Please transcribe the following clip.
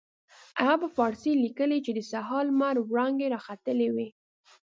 هغه په فارسي لیکلي چې د سهار لمر وړانګې را ختلې وې.